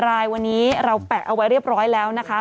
รายวันนี้เราแปะเอาไว้เรียบร้อยแล้วนะคะ